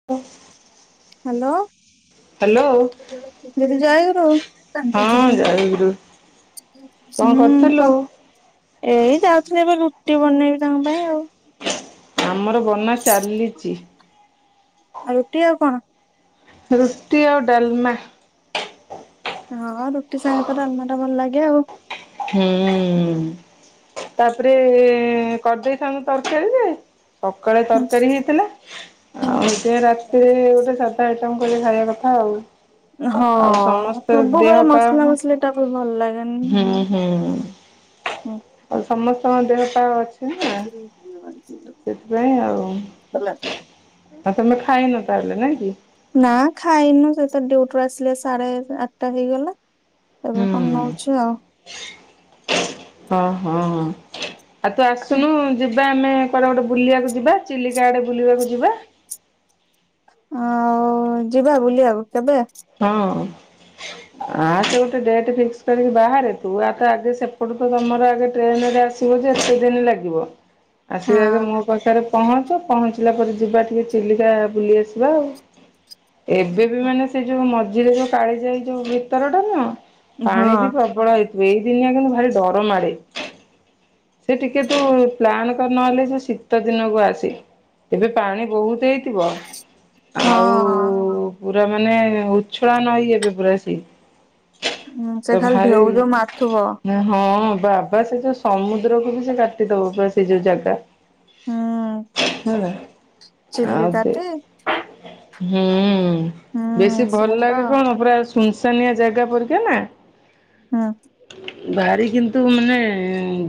[inaudible] Hello hello ଦିଦି ଜୟଗୁରୁ। ତାଙ୍କ ହଁ ଜୀବନରେ ଜୟଗୁରୁ କଣ ହୁଁ କରୁଥିଲୁ? କ ଏଇ ଯାଉଥିଲି ଏବେ ରୁଟି ବନେଇବି ତାଙ୍କ ପାଇଁ ଆଉ। ଆମର ବନା ଚାଲିଚି। ଆଉ ରୁଟି ଆଉ କଣ? ରୁଟି ଆଉ ଡ଼ାଲମା। ହଁ ରୁଟି ସାଙ୍ଗେ ପରା ଡ଼ାଲମା ଟା ଭଲ ଲାଗେ ଆଉ ହୁଁ ତାପରେ କରିଦେଇ ଥାନ ତରକାରୀ ଯେ ସକାଳେ ତରକାରୀ ହେଇଥିଲା ହୁଁ ଆଉ। ସେ ରାତିରେ ଗୋଟେ ସାଧା ଆଇଟମ୍ କରିକି ଖାଇବା କଥା ଆଉ। ହଁ ଆଉ ସମସ୍ତେ ଦେହ ସବୁବେଳେ ପା ମସଲା ମସଲି ଟାକୁ ଭଲ ଲାଗେ। ହୁଁ, ହୁଁ ଆଉ ସମସ୍ତଙ୍କ ଦେହ ପା ଅଛି ସେଥିପାଇଁ ଆଉ। ଆଉ ତମେ ଖାଇନ ତାହେଲେ ନାଇଁ କି? ନା ଖାଇନୁ ସେ ତ ଡି଼ଉଟି ରୁ ଆସିଲେ ସାଢେ ଆଠଟା ହେଇଗଲା। ଏବେ ହୁଁ ନଉଛୁ ଆଉ? ହଁ, ହଁ, ଆଉ ତୁ ଆସୁନୁ ଯି ଯିବା ଆମେ କୁଆଡେ ଗୋଟେ ବୁଲିବାକୁ ଯିବା ଚିଲିକା ଆଡେ ବୁଲିବାକୁ ଯିବା। ଆଉ ଯିବା ବୁଲିବାକୁ କେବେ? ହଁ ଆ ସେ ଗୋଟେ ଡେଟ ଫିକ୍ସ କରିକି ବାହାରେ ତୁ ଆ ତ ଆଗ ସେପଟୁ ତ ତମର ଆଗ ଟ୍ରେନରେ ଆ ଆସିବ ଯେ ଏତେ ଦିନ ଲାଗିବ। ଆସିବ ଆଗେ ହଁ ମୋ ପାଖରେ ପହଞ୍ଚ ପହଞ୍ଚିଲା ପରେ ଯିବା ଟିକେ ଚିଲିକା ବୁଲି ଆସିବା ଆଉ ଏବେ ବି ମାନେ ସେ ଯୋଉ ମଝିରେ ଯୋଉ କାଳି ଯାଇ ଯୋଉ ଭିତର ଟା ନ ହଁ ପାଣି ବି ଏଇ ଦିନିଆ କିନ୍ତୁ ଭାର ଡର ମାଡେ ସେ ଟିକେ ତୁ ପ୍ ନହେଲେ ଯେ ଶୀତ ଦିନକୁ ଆସେ ତେବେ ପାଣି ବହୁତ ହେଇଥିବ। ହଁ ଆଉ ପୁରା ମାନେ ଉଛଳା ନଈ ଏବେ ପୁରା ସେ। ହୁଁ ସେ ଖାଲି ଢେଉ ଯୋଉ ମାଥିବ ହଁ ବାବା ସେ ଯୋଉ ସମୁଦ୍ରକୁ ବି ସେ କାଟିଦବ ବା ସେ ଯୋଉ ଜାଗା। ହୁଁ ଆଦେ ଚିଲିକାଟି ହୁଁ ବେଶୀ ହୁଁ ସିଏ ଭଲ ତ ଲାଗେ କଣ ପୁରା ସୁନସାନିଆ ଜାଗା ପରିକା ନା ହଁ ଭାରି କିନ୍ତୁ ମାନେ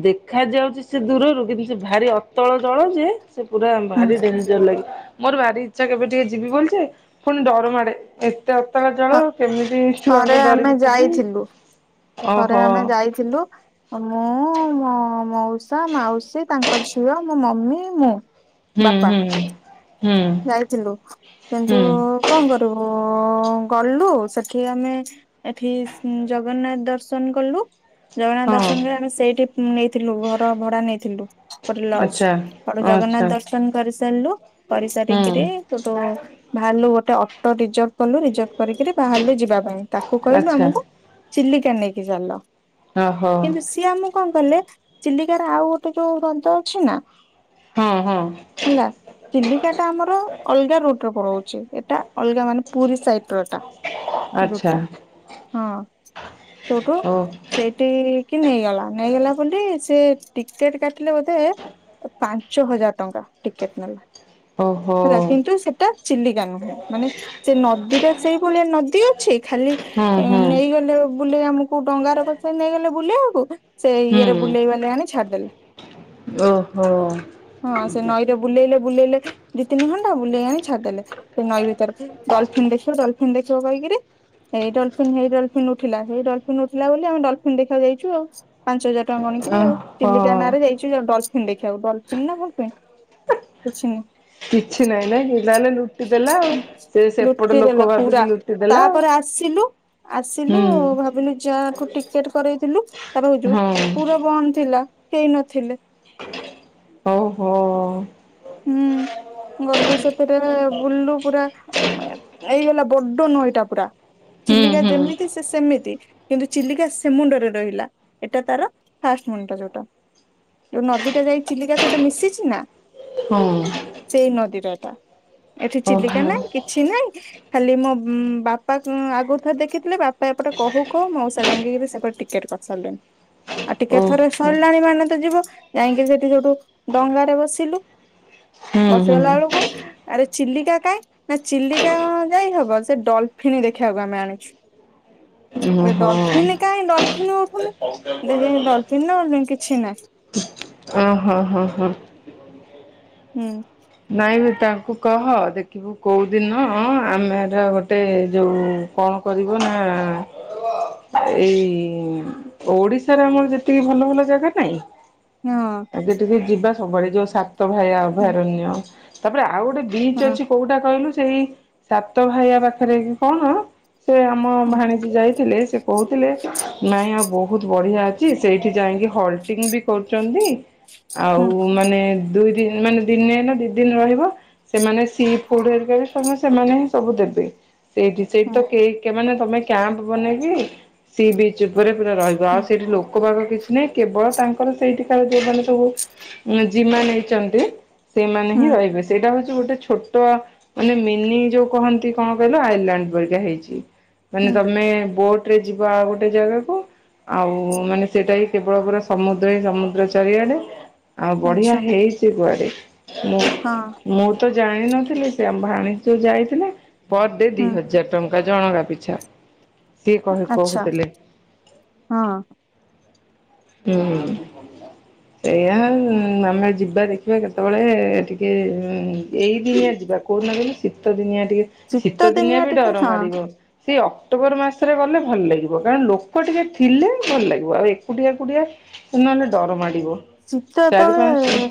ଦେଖାଯାଉଛି ସେ ଦୂରରୁ କିନ୍ତୁ ସେ ଭାରି ଅତଳ ଜଳ ଯେ ସେ ପୁରା ହୁଁ ଭାରି ଡେଞ୍ଜର ଲାଗେ ମୋର ଭାରି ଇଚ୍ଛା କେବେ ଟିକେ ଯିବି ବୋଲି ଯେ ପୁଣି ଡର ମାଡେ। ଏତେ ଅତଳା ଜଳ ଥ କେମିତି ଥରେ ଛୁଆଙ୍କୁ ଆମେ ଧଡରିକି ଯିବି। ଯାଇଥିଲୁ ଥରେ ଓହୋ ଆମେ ଯାଇଥିଲୁ। ମୁଁ ମୋ, ମଉସା, ମାଉସୀ, ତାଙ୍କ ଝିଅ, ମୋ ମମି, ମୁଁ। ହୁଁ ବାପା ହୁଁ ହୁଁ ଯାଇଥିଲୁ ହୁଁ କିନ୍ତୁ କଣ କରିବୁ ଗଲୁ ସେଠି ଆମେ ଏଠି ଜଗନ୍ନାଥ ଦର୍ଶନ କଲୁ। ଜଗନ୍ନାଥ ହଁ ଦର୍ଶନ କରି ଆମେ ସେଇଠି ନେଇଥିଲୁ ଘର ଭଡା ନେଇଥିଲୁ। ଟ ଆଚ୍ଛା ଲଜର ଆଚ୍ଛା ଜଗନ୍ନାଥ ଦର୍ଶନ କରି ସାରିଲୁ କରିସାରୁ ହୁଁ ଭାଲୁ ଗୋଟେ ଅଟୋ ରିଜର୍ଭ କଲୁ ରିଜର୍ଭ କରିକିରି ବାହାରିଲୁ ଯିବା ପାଇଁ ତାକୁ କହିଲୁ ଆଚ୍ଛା ଆମକୁ ଚିଲିକା ନେଇକି ଚାଲ। ଓହୋ ସିଆ ମୁଁ କଣ କଲେ ଚିଲିକାର ଆଉ ଗୋଟେ ଯୋଉ ରଜ ଅଛି ନା। ହଁ ହଁ ହେଲା ଚିଲିଟା ଟା ଆମର ଅଲଗା ରୋଟରେ ପଡଉଛି ଏଟା ଅଲଗା ମାନେ ପୁରୀ ସାଇଡ ରଟା ଆଚ୍ଛା ହଁ ସେଠୁ ଓ ସେଇଠ କି ନେଇଗଲା ନେଇଗଲା ବୋଲି ସେ ଟିକେଟ କାଟିଲେ ବୋଧେ ପାଞ୍ଚ ହଜାର ଟଙ୍କା ଟିକେଟ ନେଲା। ଓହୋ ହେଲା କିନ୍ତୁ ସେଟା ଚିଲିକା ନୁହେଁ ମାନେ ସେ ନଦୀ ଟା ସେଇଭଳିଆ ନଦୀ ଅଛି ଖାଲି ହୁଁ ହୁଁ ନେଇଗଲେ। ବୁଲେଇ ଆମକୁ ଡଙ୍ଗାର ଗଛ ନେଇଗଲେ ବୁଲେଇକୁ। ସେ ହୁଁ ଇଏରେ ବୁଲେଇବାଲେ ଆଣି ଛାଡିଦେଲେ। ଓହୋ ହଁ ସେ ନଈରେ ବୁଲେଇଲେ ବୁଲେଇଲେ ଦି ତିନି ଘଣ୍ଟା ବୁଲେଇ ଆଣି ଛାଡିଦେଲେ। ନଈ ବିିତର ଡଲଫିନ ଦେଖିବ ଡଲଫନ୍ ଦେଖ କହିକିରି। ଏଇ ଡଲଫିନଇ ଡଲଫିନ ଉଠିଲା ସେଇ ଡଲଫିନ ଉଠିଲା ବୋଲି ଆମେ ଡଲଫିନନ୍ ଦେଖକୁ ଯାଇଛୁ ଆଉ। ପାଞ୍ଚ ହଜାର ଟଙ୍କା ଗଣିଥିଲି ଆଉ ଓହୋ ଚିଲିକା ନାଁରେ ଯାଇଛି। ଡଲଫିନ୍ ଦେଖିବାକୁ ଡଲଫିନ ନା ଫଲଫିନ କିଛି ନାଁ କିଛି ନାହିଁ ନା କି ତାହେଲେ ଯୁ। ଲୁଟି ଦେଲେ ପୁରା ଭାବିକି ଲୁଟି ଦେଲା ତାପରେ ଆସିଲୁ ଆସିଲୁ ଭାବିଲୁ ଯାହାଠୁ ଟିକେଟ କରେଇଥିଲୁ ତା ପାଖକୁ ଯିବୁ ପୁରା ବନ୍ଦ ଥିଲା। କେହିନଥିଲେ। ଓ ହୋ। ହୁଁ। ଗଲୁ ସାତଟାରେ ବୁଲିଲୁ ପୁରା ଏଇ ହେଲା ବଡ ନଇଟା ପୁରା। ଚିଲିକା ହୁଁ ଯେମିତି ସେମିତି କିନ୍ତୁ ଚିଲିକା ସେମୁଣ୍ଡରେ ରହିଲା ଏଟା ତାର ଫାଷ୍ଟ ମୁଣ୍ଡ ଯୋଉଟା। ଯୋଉ ନଦୀ ଟା ଯାଇ ଚିଲିକା ସେଟା ମିଶିଛି ନା? ହଁ [inaudible] ସେଇ ନଦୀର ଏଟା ଏଠି ଚିଲିକା ଓହୋ ନାହିଁ କିଛି ନାଇଁ। ଖାଲି ମୋ ଉଁ ବାପା ଉଁ ଆଗରୁ ଥରେ ଦେଖିଥିଲେ ବାପା ଏପଟେ କହୁ କହ ମଉସା ଯାଇିକିରି ସେପଟେ ଟି କେଟ୍ କରିସାରିଲେଣି। ଆଉ ଟିକେ ଥରେ ଓହୋ ସରିଲାଣି ମାନେ ତ ଯିବୁ ଯାଇକି ସେଠି ଯୋଠୁ ଡଙ୍ଗାରେ ବସିଲୁ। ହୁଁ ବସିଗଲା ହୁଁ ବେଳକୁ। ଆରେ ଚିଲିକା କାଇଁ ନା ଚିଲିକା କାଇଁ ହବ ସେ ଡଲଫନ୍ ଦେଖିବାକୁ ଆମେ ଆଣିଛୁ। ଏ ଓହୋ ଡଲଫିନ୍ କାହିଁ ଡଲଫିନ୍ ଉଠୁନି ଦଖି ଡଲଫିନ୍ ନା କିଛି ନାହିଁ। ଓ ହୋ ହଁ ହଁ। ହୁଁ। ନାଇଁ ତାଙ୍କୁ କହ ଦେଖିବୁ କୋଉ ଦିନ ଆମେର ଗୋଟେ ଯୋଉ କଣ କରିବୁ ନା ହଁ ଏଇ ଓଡିଶାରେ ଆମର ଯେତିକି ଭଲ ଭଲ ଜାଗା ନାଇଁ ହଁ। ଯେତିକି ଯିବା ସବୁବେଳେ ଯୋଉଁ ସାତ ଭାଇା ଅଭୟାରଣ୍ୟ ତାପରେ ଆଉ ଗୋଟେ ବିଚ୍ ହଁ ଅଛି କୋଉଟା କହିଲୁ ସେଇ ସାତ ଭାଇଆ ପାଖରେ କି କଣ? ସେ ଆମ ହୁଁ ଭାଣିଜୀ ଯାଇଥିଲେ ସେ କହୁଥିଲେ ନାଇଁ ଆଉ ବହୁତ ବଢ଼ିଆ ଅଛି ସେଇଠି ଯାଇକି ହଲ୍ଟିଙ୍ଗ ବି କରୁଛନ୍ତି। ଆଉ ହୁଁ ମାନେ ଦୁଇ ଦିନ ମାନେ ଦିନେ ନା ଦି ଦିନ ରହିବ। ସେମାନେ ସିପ ଫୁଡ ହେରିକା ବି ସେମାନେ ହିଁ ସବୁ ଦେବେ। ସେଇଠି ସେଇଠି ହୁଁ ତ କେହି ମାନେ ତମେ କ୍ୟାମ୍ପ ବନେଇକି। ସି ବିଚ୍ ଉପରେ ପୁରା ରହିବ ହୁଁ ଆଉ ସେଇଠି ଲୋକ ଭାଗ କିଛି ନାହିଁ କେବଳ ତାଙ୍କର ସେଇଠିକାର ସେମାନେ ସବୁ ଜିମା ନେଇଛନ୍ତି। ସେମାନେ ହିଁ ହୁଁ ରହିବେ ସେଇଟା ହଉଛି ଗୋଟେ ଛୋଟ ମାନେ ମିନି ଯୋଉ କହନ୍ତି କଣ କହିଲ ଆଇଲାଣ୍ଡ ପରିକା ହେଇଛି ମାନେ ହୁଁ ତମେ ବୋଟ ରେ ଯିବା ଆଉ ଗୋଟେ ଜାଗାକୁ ଆଉ ମାନେ ସେଟା ହିଁ କେବଳ ପୁରା ସମୁଦ୍ର ହିଁ ସମୁଦ୍ର ଚାରଆଡେ ଆଉ ବଢିଆ ଆଚ୍ଛା ହେଇଛି କୁଆଡେ ମୁଁ ହଁ। ମୁଁ ତ ଜାଣିନଥିଲି ସେ ଆମ ଭାଣୀ ଯୋ ଯାଇଥିଲା ପର ଡେ ଦି ହୁଁ ହଜାର। ଟଙ୍କା ଜଣକା ପିଛା ସିଏ କହି ଆଚ୍ଛା କହୁଥିଲେ। ହଁ। ହୁଁ ହୁଁ ସେଇଆା ଆମେ ଯିବା ଦେଖି ଯିବା କେତେବେଳେ ଟିକେ ଏଇ ଦିନିଆ ଯିବା କୋଉଦିନ କହିଲୁ ଶୀତ ଦିନିଆ ଟିକେ ଶୀତ ଦିନିଆ ବି ଡର ମାାଡିବ। ସିଏ ଅକ୍ଟୋବର ମାସରେ ଗଲେ ଭଲ ଲାଗିବ। କାରଣ ଲୋକ ଟିକେ ଥିଲେ ଭଲ ଲାଗିବ। ଆଉ ଏକୁଟିଆ ଏକୁଟିଆ ନ ହେଲେ ଡର ମାଡିବ। ଶୀତ ଯେତେବଳେ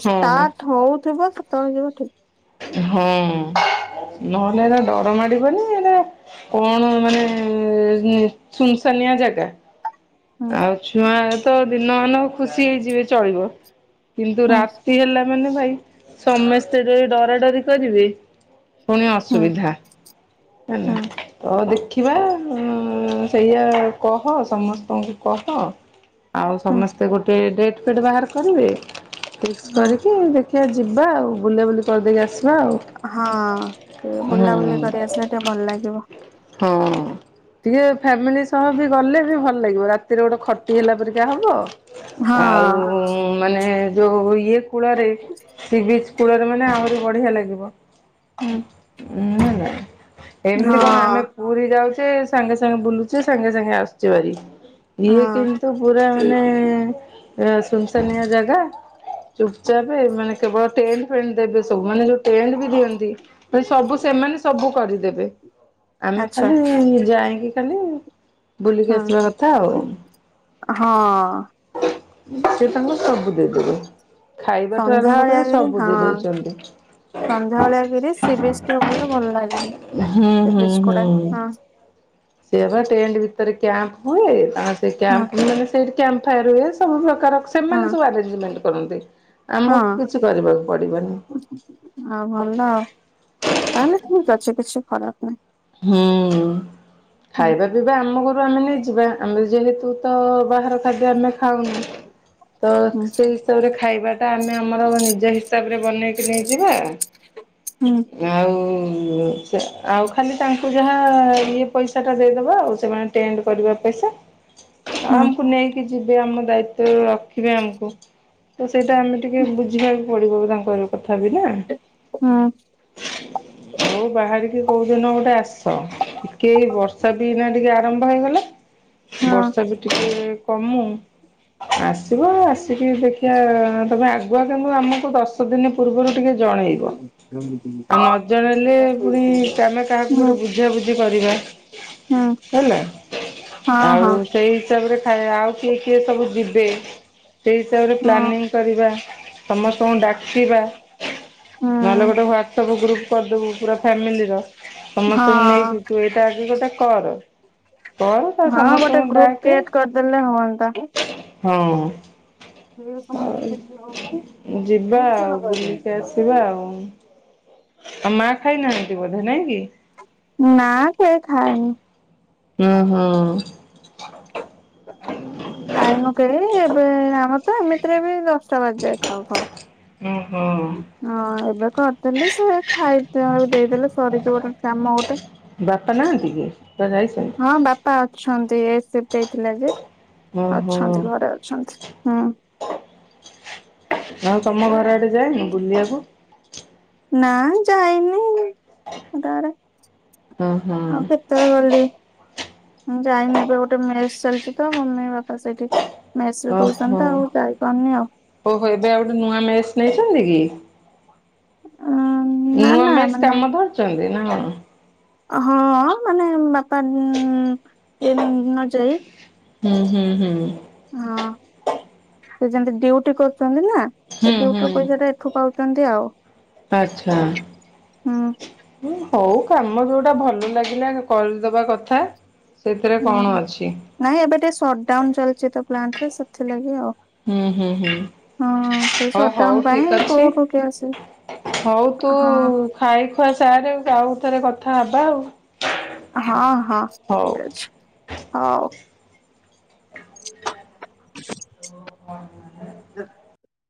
ଷ୍ଟାର୍ଟ ହଉଥିବ ସେତେବେଳେ ଯିବ ଠିକ୍। ହଁ ନ ହେଲେ ଏଇଟା ଡର ମାଡିବନି। ଏଇଟା କଣ ମାନେ ସୁନସାନିଆ ଜାଗା? ହୁଁ ଆଉ ଛୁଆ ତ ଦିନମାନ ଖୁସି ହେଇଯିବେ। ଚଳିବ, କିନ୍ତୁ ହୁଁ ରାତି ହେଲା ମାନେ ଭାଇ ସମସ୍ତେ ଯଦି ଡରା ଡରି କରିବେ ପୁଣି ହୁଁ ଅସୁବିଧା ହେଲା। ହୁଁ ତ ଦେଖିବା, ସେଇଆ କହ ସମସ୍ତଙ୍କୁ କହ ଆଉ ହୁଁ ସମସ୍ତେ ଗୋଟେ ଡେଟ୍ ଫେଟ୍ ବାହାର କରିବେ, ଫିକ୍ସ ହଁ କରିକି ଦେଖ ଦେଖିଆ ଯିବା ଆଉ ବୁଲାବୁଲି କରିଦେଇକି ଆସିବା ଆଉ। ହଁ, ଟିକେ ବୁଲାବୁଲି ହୁଁ। କରିଆସିଲେ ଟିକେ ଭଲ ଲାଗିବ। ହଁ। ଟିକେ ଫ୍ୟାମିଲି ସହ ବି ଗଲେ ବି ଭଲ ଲାଗିବ ରାତିରେ ଗୋଟେ ଖଟି ହେଲା ପରିକା ହବ। ହଁ ଆଉ ମାନେ ଯୋଉ ଇଏ କୂଳରେ ସିବିଚ କୂଳରେ ମାନେ ଆହୁରି ବଢିଆ ଲାଗିବ। ହଁ। ନୁଁ ନାଇ ଏମିତି କଣ ଆମେ ପୁରୀ ଯାଉଛେ ସାଙ୍ଗେ ସାଙ୍ଗେ ବୁଲୁଛେ ସାଙ୍ଗେ ସାଙ୍ଗେ ଆସୁଛୁ ଭାରି। ଇଏ ହଁ କିନ୍ତୁ ପୁରା ମାନେ ଏଁ ଶୁନ୍‌‌ ଶାନୀୟା ଜାଗା। ଚୁପ୍‌ ଚାପେ ମାନେ କେବଳ ଟେଣ୍ଟ ଫେଣ୍ଟ ଦେବେ ସବୁ ମାନେ ଯୋଉ ଟେଣ୍ଟ ବି ଦିଅନ୍ତି। ଦ୍ଭାଇ ସବୁ ସେମାନେ ସବୁ କରିଦେବେ। ଆମେ ଆଚ୍ଛା ଖାଲି ଯାଇକି ଖାଲି, ବୁଲିକି ହଁ ଆସିବା କଥା ଆଉ। ହଁ। ସେ ତାାଙ୍କୁ ସବୁ ଦେଇଦେବେ। ଖାଇବାଠୁ ଆରମ୍ଭ କରି ସବୁ ଦେଇ ଦଉଛନ୍ତି। ସନ୍ଧ୍ୟାବେଳିଆ କିରି ସ ସିବିଚ୍‌ ଟିକେ ବୁଲିଲେ ଭଲ ଲାଗିବ। ହୁଁ, ସେ ହୁଁ, ବିଚ୍ ଗୁଡା ହୁଁ। ହଁ ସେ ବା ଟେଣ୍ଟ ଭିତରେ କ୍ୟାମ୍ପ ହୁଏ ତା ସେ ହଁ କ୍ୟାମ୍ପ ମାନେ ସେଇ କ୍ଯମ୍ପ [unintelligible] ସବୁ ପ୍ରକାର ସେମାନେ ହଁ ସବୁ ଆରେ୍ଜ ମେଣ୍ଟ, କରନ୍ତି। ଆମକୁ କିଛି କରିବାକୁ ପଡିବନି। ହଁ ଭଲ ଆଉ, ତା ହେଲେ ଠିକ୍ ଅଛି କିଛି ଖରାପ ନାହିଁ। ହୁଁ, ହୁଁ ଖାଇବା ପିଇବା ଆମ ଘରୁ ଆମେ ନେଇ ଯିବା ଆମେ ଯେହେତୁ ତ ବାହାର ଖାଦ୍ୟ ଆମେ ଖାଉନୁ। ତ ହୁଁ ସେଇ ହିସାବରେ ଖାଇବା ଟା ଆମେ ଆମର ନିଜ ହିସାବରେ ବନେଇକି ନେଇଯିବା। ହୁଁ। ଆଉ ସେ ଆଉ ଖାଲି ତାଙ୍କୁ ଯାହା ଇଏ ପଇସାଟା ଦେଇଦବା ଆଉ ସେମାନେ ଟେଣ୍ଟ କରିବା ପଇସା। ଆଉ ଆମକୁ ନେଇକି ଯିବେ ଆମ ଦାୟିତ୍ଵ ରେ ରଖିବେ ଆମକୁ। ତ ସେଇଟା ଆମେ ଟିକେ ହୁଁ ବୁଝିବାକୁ ପଡିବ ତାଙ୍କର କଥା ବି ନା। ହୁଁ। ମୁଁ ବାହାରିକି କୋଉ ଦିନ ଗୋଟେ ଆସ, କେ ଏଇ ବର୍ଷା ଦିନ ଟିକେ ଆରମ୍ଭ ହେଇଗଲା ହଁ ବର୍ଷା [inaudible] ଟିକେ କମୁ, ଆସିବ ଆସିକି ଦେଖିବା ତୋମେ ଆ [unintelligible] ଆମକୁ ଦଶ ଦିନ ପୂର୍ବରୁ ଟିକେ ଜଣେଇବ। ଆଉ ନ ଜଣେଇଲେ ପୁଣି ଆମେ କାହାକୁ ହୁଁ ଗୋଟେ ବୁଝା ବୁଝି କରିବା, ହୁଁ ହେଲା ହଁ ହଁ ଆଉ ସେଇ ହିସାବରେ ଥାଏ, ଆଉ କିଏ କିଏ ସବୁ ଯିବେ, ସେଇ ହିସାବରେ ହଁ ପ୍ଲାନିଂ କରିବା, ସମସ୍ତଙ୍କୁ ଡାକିବା, ହୁଁ ନହେଲେ ଗୋଟେ ହାଟସଆପ୍ ଗ୍ରୁପ୍ କରିଦବୁ ପୁରା ଫ୍ୟାମିଲି ର ସମସ୍ତଙ୍କୁ ନେଇକି ହଁ ତୁ ଏଇଟା ଆଗେ ଗୋଟେ କର। କର ତ ହଁ ଗୋଟେ ସମସ୍ତଙ୍କୁ ଗ୍ରୁପ ଡାକେ କ୍ରିଏଟ କରିଦେଲେ ହୁଅନ୍ତା। ହଁ ହଉ। ହଉ ଯିବା ଆଉ ବୁଲିକି ଆସିବା ଆଉ। ଆଉ ମା ଖାଇନାହାନ୍ତି ବୋଧେ ନାଇଁ କି? ନା ସେ ଖାଏନି। ଅ, ହଁ, ହଁ। ଖାଇନୁ କେହି ଏବେ ଆମର ତ ଏମିତିରେ ବି ଦଶଟା ବାଜଯାଏ ଖାଉ ଖାଉ। ଓ ହୋ। ହଁ ଏବେ କରିଦେଲି ସେ ଖାଇ [unintelligible] ଦେଇଦେଲେ ସରିଯିବ ନା କାମ ଗୋଟେ। ବାପା ନାହାନ୍ତି କି କୁଆଡେ ଯାଇଛନ୍ତି? ପା ଅଛନ୍ତି। ଏସିଡି ହେଇଥିଲା ଯେ ଓହୋ ଅଛନ୍ତି ଘରେ ଅଛନ୍ତି ହଁ। ଆଉ ତୋମ ଘର ଆଡେ ଯାଏନି ବୁଲିବାକୁ? ନା ମୁଁ ଯାଇନି ବୋଲି ଏ ଗାଁ ର ହୁଁ ହୁଁ ଆଉ [unintelligible] ତେବେଳେ ଗଲି, ମୁଁ ଯାଇନି ଏବେ ଗୋଟେ ମେରେସ୍ ଚାଲିଚି ତ ମମି ବାପା ସେଇଠି। ମେସ୍ ରେ ଓହୋ। ଦଉଛନ୍ତି ତ ଆଉ ଯାଇପାରୁନି ଆଉ। ଓହୋ! ଏବେ ଆଉ ଗୋଟେ ନୂଆ ମେସ୍ ନେଇଛନ୍ତି କି? ନା ନୂଆ ନା ମେସ୍ ମାନେ କାମ ଧରିଛନ୍ତି ନା କଣ? ହଁ ମାନେ ବାପା ଉଁ, ଏ ନ ଯାଇ ହୁଁ, ହୁଁ, ହୁଁ। ହଁ ସେ ଯେମିତି ଡିଉଟି କରୁଛନ୍ତି ନା। ଏ ହୁଁ ଡିଉଟିର ହୁଁ ପଇସା ଟା ଏଠୁ ପାଉଛନ୍ତି ଆଉ ଆଚ୍ଛା। ହୁଁ,। ହୁଁ, ହଉ କାମ ଯୋଉଟା ଭଲ ଲାଗିଲା କରିଦବା କଥା। ସେଥିରେ ହୁଁ କଣ ଅଛି। ନାଇଁ ଏବେ ଟିକେ ସଡାଉନ୍ ଚାଲିଛି ତ ପ୍ଲାଣ୍ଟ ରେ ସେଥିଲାଗି ଆଉ। ହୁଁ, ହୁଁ, ହୁଁ ହଁ ସେ ହୋ ହଉ ସଟଡାଉନ ପାଇଁ ଠିକ ଅଛି। କୋଉଠୁ କିଏ ଆସିବେ ହଉ ତୁ ହଁ ଖାଇ ଖୁଆ ସାରେ ଆାଉଥରେ କଥା ହବା ଆଉ। ହଁ, ହଁ ହଉ। ଠିକ ଅଛି ହଉ। [inaudible] [inaudible] [unintelligible]